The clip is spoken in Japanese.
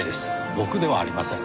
僕ではありません。